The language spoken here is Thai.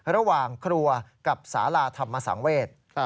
ระหว่างครัวกับสาราธรรมสังเวศ